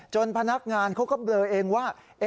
พนักงานเขาก็เบลอเองว่า